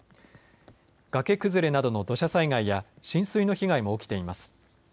崖崩れなどの土砂災害や浸水の被害も起きています。